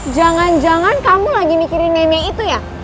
jangan jangan kamu lagi mikirin meme itu ya